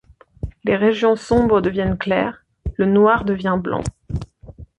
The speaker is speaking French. Les régions sombres deviennent claires, le noir devient blanc.